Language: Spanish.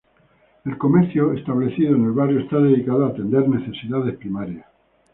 El comercio establecido en el barrio está dedicado a atender necesidades primarias.